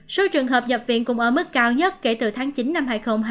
số trường hợp nhập viện cũng ở mức cao nhất kể từ tháng chín năm hai nghìn hai mươi ba